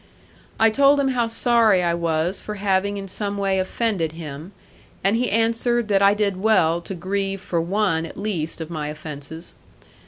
I told him how sorry I was for having in some way offended him; and he answered that I did well to grieve for one at least of my offences.